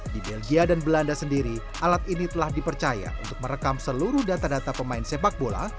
di belgia dan belanda sendiri alat ini telah dipercaya untuk merekam seluruh data data pemain sepak bola